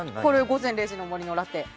「午前０時の森」のラテ。